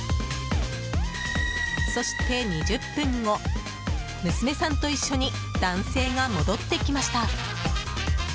そして２０分後、娘さんと一緒に男性が戻ってきました。